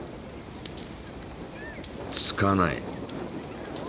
つかない。